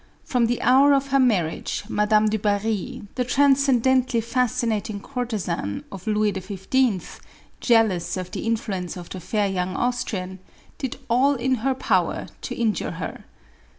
From the hour of her marriage, Madame du Barri, the trans cendently fascinating courtezan of Louis XV., jealous of the influence of the fair young Austrian, did all in her power to injure her.